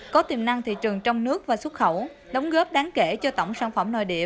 có tiềm năng thị trường trong nước và xuất khẩu đóng góp đáng kể cho tổng sản phẩm nội địa